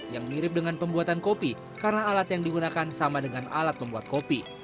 yang mirip dengan pembuatan kopi karena alat yang digunakan sama dengan alat membuat kopi